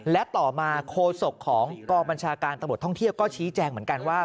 และต่อมาโคศกของกองบัญชาการตำรวจท่องเที่ยวก็ชี้แจงเหมือนกันว่า